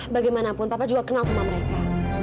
bagaimanapun papa juga kenal sama mereka